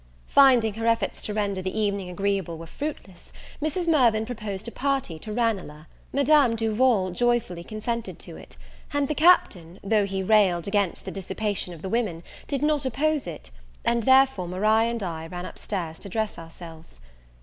Finding her efforts to render the evening agreeable were fruitless, Mrs. Mirvan proposed a party to Ranelagh. Madame Duval joyfully consented to it; and the Captain though he railed against the dissipation of the women, did not oppose it; and therefore Maria and I ran up stairs to dress ourselves.